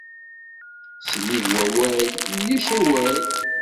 S nnig wawal ulac awal.